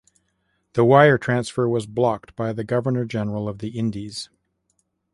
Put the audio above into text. The wire transfer was blocked by the Governor General of the Indies.